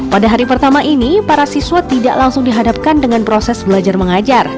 pada hari pertama ini para siswa tidak langsung dihadapkan dengan proses belajar mengajar